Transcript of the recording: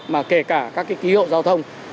mà kể cả các cái ký hiệu giao thông